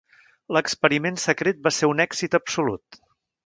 L'experiment secret va ser un èxit absolut.